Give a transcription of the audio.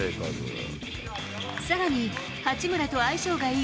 さらに八村と相性がいい